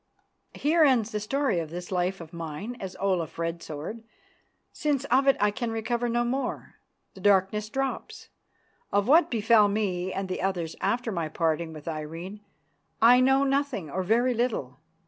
Here ends the story of this life of mine as Olaf Red Sword, since of it I can recover no more. The darkness drops. Of what befell me and the others after my parting with Irene I know nothing or very little.